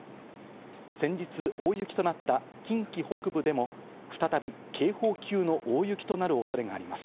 先日、大雪となった近畿北部でも、再び警報級の大雪となるおそれがあります。